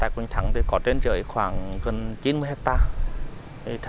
quỳnh thắng có trên trời khoảng gần chín mươi hectare